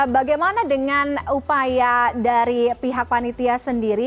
bagaimana dengan upaya dari pihak panitia sendiri